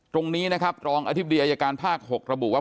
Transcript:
ตรงนี้นะครับรองอธิบดีอายการภาค๖ระบุว่า